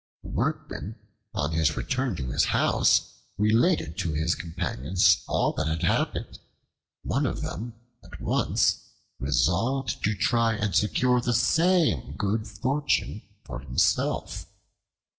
The Workman, on his return to his house, related to his companions all that had happened. One of them at once resolved to try and secure the same good fortune for himself.